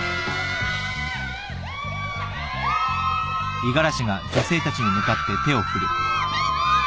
五十嵐。